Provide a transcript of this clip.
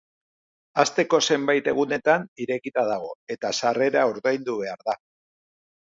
Asteko zenbait egunetan irekita dago eta sarrera ordaindu behar da.